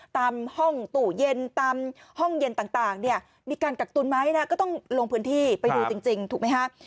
ตามห้องตู้เย็นตามห้องเย็นต่างเนี่ยมีการกักตุนไหมนะก็ต้องลงพื้นที่ไปดูจริงถูกไหมฮะ